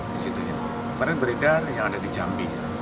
kemarin beredar yang ada di jambi